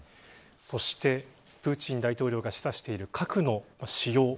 そしてプーチン大統領が示唆している核の使用